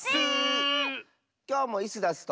きょうもイスダスと。